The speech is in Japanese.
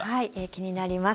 気になります。